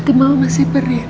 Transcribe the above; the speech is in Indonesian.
hati mama masih perih